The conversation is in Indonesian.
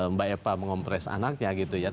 mbak eva mengompres anaknya gitu ya